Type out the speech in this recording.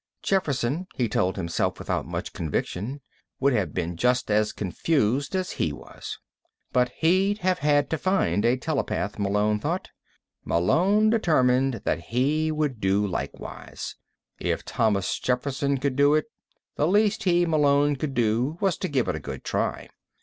Jefferson, he told himself without much conviction, would have been just as confused as he was. But he'd have had to find a telepath, Malone thought. Malone determined that he would do likewise. If Thomas Jefferson could do it, the least he, Malone, could do was to give it a good try.